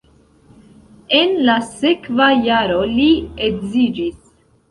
En la sekva jaro li edziĝis.